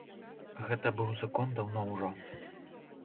Гэты быў закон даўно ўжо.